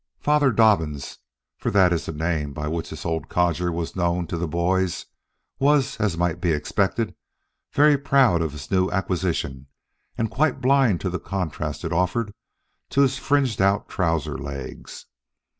Father Dobbins for that is the name by which this old codger was known to the boys was, as might be expected, very proud of his new acquisition and quite blind to the contrast it offered to his fringed out trouser legs.